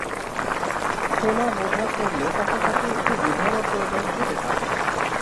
শোনা-বোঝা করলে তখন তাকে একটু বুঝানোর প্রয়োজন হতে পারে।